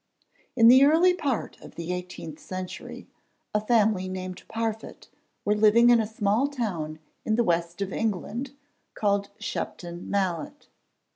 _ In the early part of the eighteenth century a family named Parfitt were living in a small town in the West of England called Shepton Mallet.